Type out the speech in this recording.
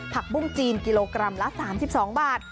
ปุ้งจีนกิโลกรัมละ๓๒บาท